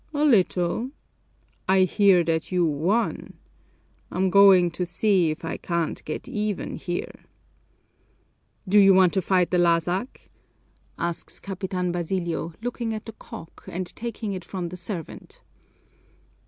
"A little. I hear that you won. I'm going to see if I can't get even here." "Do you want to fight the lásak?" asks Capitan Basilio, looking at the cock and taking it from the servant.